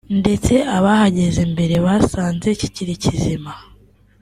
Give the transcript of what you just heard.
ndetse abahageze mbere basanze kikiri kizima